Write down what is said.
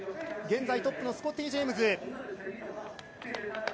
現在トップのスコッティ・ジェームズ。